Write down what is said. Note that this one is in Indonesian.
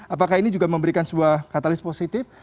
apakah ini juga memberikan sebuah katalis positif